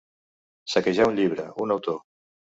Saquejar un llibre, un autor.